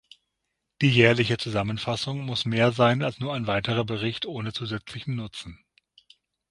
Die jährliche Zusammenfassung muss mehr sein als nur ein weiterer Bericht ohne zusätzlichen Nutzen.